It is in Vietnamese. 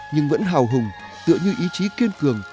nhưng vẫn hào hùng tựa như ý chí kiên cường